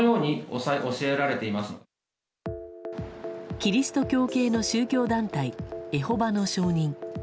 キリスト教系の宗教団体エホバの証人。